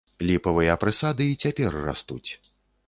Ліпавыя прысады і цяпер растуць.